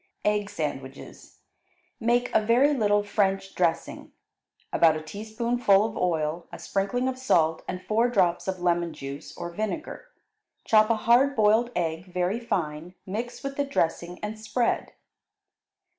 Egg Sandwiches Make a very little French dressing, about a teaspoonful of oil, a sprinkling of salt, and four drops of lemon juice, or vinegar. Chop a hard boiled egg very fine, mix with the dressing, and spread.